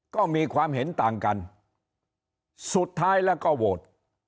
ก็มีความเห็นต่างกันสุดท้ายแล้วก็โหวต